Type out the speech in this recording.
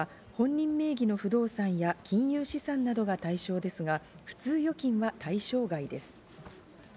公開された資産は本人名義の不動産や金融資産などが対象ですが普通預金は対象外です。